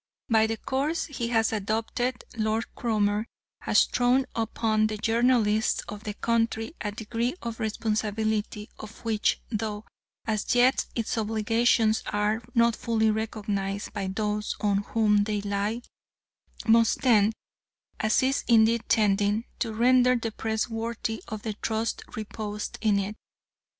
By the course he has adopted Lord Cromer has thrown upon the journalists of the country a degree of responsibility of which, though as yet its obligations are not fully recognised by those on whom they lie, must tend, and is indeed tending, to render the Press worthy of the trust reposed in it.